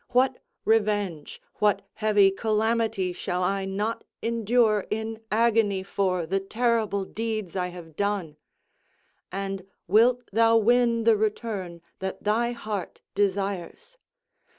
What revenge, what heavy calamity shall I not endure in agony for the terrible deeds I have done? And wilt thou win the return that thy heart desires?